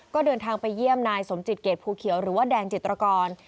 ก็เดินทางไปเยี่ยมนายสมจิตเกรดภูเขียวหรือว่าแดงจิตรกร